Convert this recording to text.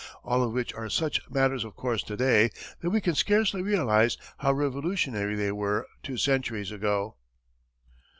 All of which are such matters of course to day that we can scarcely realize how revolutionary they were two centuries ago.